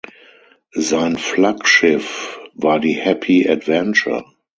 Sein Flaggschiff war die "Happy Adventure".